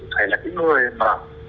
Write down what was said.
phải là cái người mà